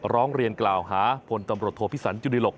ร้องเรียนกล่าวหาพตโทพิศัลจุดิหลก